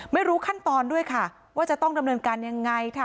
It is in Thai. ไม่รู้ขั้นตอนด้วยค่ะว่าจะต้องดำเนินการยังไงค่ะ